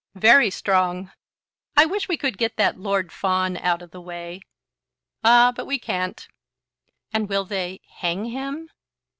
"Very strong." "I wish we could get that Lord Fawn out of the way." "Ah; but we can't." "And will they hang him?"